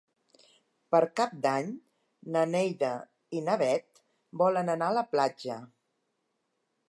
Per Cap d'Any na Neida i na Bet volen anar a la platja.